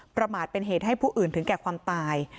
ประมาทเป็นเหตุให้ผู้อื่นถึงแก่ความตาย